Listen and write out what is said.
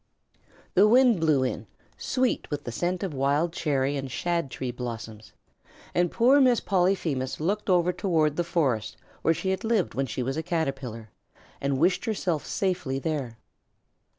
The wind blew in, sweet with the scent of wild cherry and shad tree blossoms, and poor Miss Polyphemus looked over toward the forest where she had lived when she was a Caterpillar, and wished herself safely there.